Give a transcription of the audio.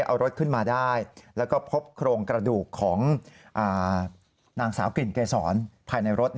เอารถขึ้นมาได้แล้วก็พบโครงกระดูกของนางสาวกลิ่นเกษรภายในรถ